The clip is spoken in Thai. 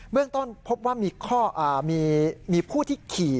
เรื่องต้นพบว่ามีผู้ที่ขี่